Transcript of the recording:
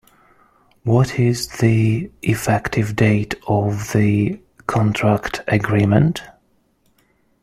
What is the effective date of the contract agreement?